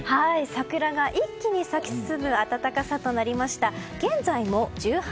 桜が一気に咲き進む暖かさとなりました。